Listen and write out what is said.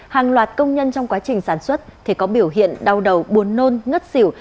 hàng loạt công nhân trong quá trình sản xuất thì có biểu hiện đau đầu buồn nôn ngất xỉu